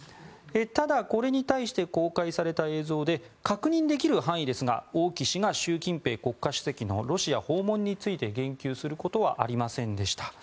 ただ、これに対して公開された映像で確認できる範囲ですが王毅氏が習近平国家主席のロシア訪問について言及することはありませんでした。